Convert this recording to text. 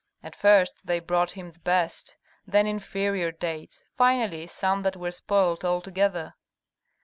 At first they brought him the best, then inferior dates, finally some that were spoilt altogether.